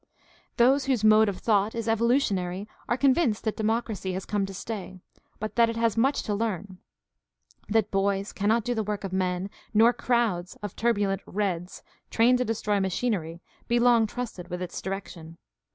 Those whose mode of thought is evolutionary are convinced that democracy has come to stay, but that it has much to learn; that boys cannot do the work of men, nor crowds of turbulent "reds," trained to destroy machinery, be long trusted with its direction.